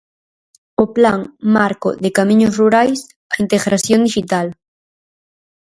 O Plan marco de camiños rurais, a integración dixital.